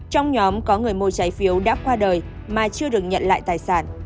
trong nhóm có người mua trái phiếu đã qua đời mà chưa được nhận lại tài sản